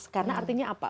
karena artinya apa